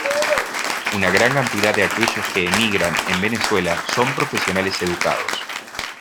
Una gran cantidad de aquellos que emigran en Venezuela son profesionales educados.